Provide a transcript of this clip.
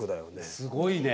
すごいね。